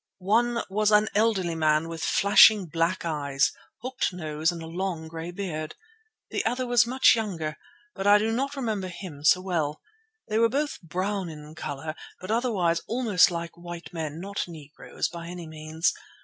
One was an elderly man with flashing, black eyes, hooked nose, and a long grey beard. The other was much younger, but I do not remember him so well. They were both brown in colour, but otherwise almost like white men; not Negroes by any means.